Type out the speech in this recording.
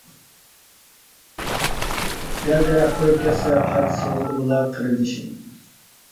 دەل-دەرەخ قۇرۇپ كەتسە قايتا سالغىلى بولار قېرىندىشىم!